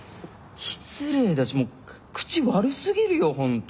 失礼だしもう口悪すぎるよほんと。